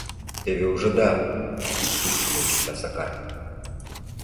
Теве ужыда! — кидтупшым ончыкта Сакар.